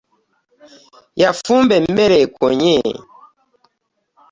Yafumba emmere ekonye.